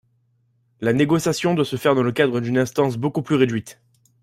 La négociation doit se faire dans le cadre d’une instance beaucoup plus réduite.